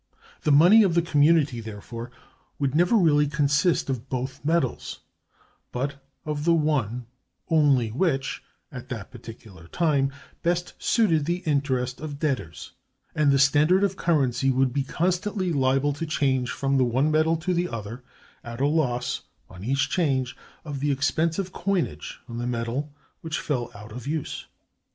The money of the community, therefore, would never really consist of both metals, but of the one only which, at the particular time, best suited the interest of debtors; and the standard of the currency would be constantly liable to change from the one metal to the other, at a loss, on each change, of the expense of coinage on the metal which fell out of use.